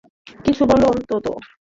কিছু বল অন্তত।